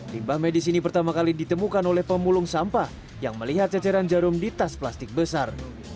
limbah medis ini pertama kali ditemukan oleh pemulung sampah yang melihat ceceran jarum di tas plastik besar